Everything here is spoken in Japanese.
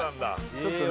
ちょっとね